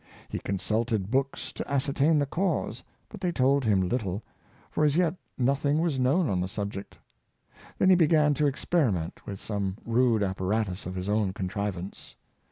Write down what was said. He consulted books to ascertain the cause, but they told him little, for as yet nothing was known on the subject. Then he began to experi ment, with some rude apparatus of his own contrivance.